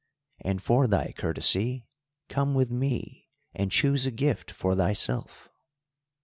And for thy courtesy, come with me, and choose a gift for thyself."